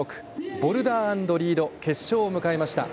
ボルダー＆リード決勝を迎えました。